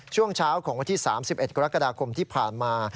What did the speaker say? ช่วงเช้าของวันที่๓๑กรกฎาคมที่ผ่านมา